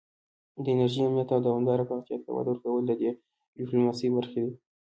د انرژۍ امنیت او دوامداره پراختیا ته وده ورکول د دې ډیپلوماسي برخې دي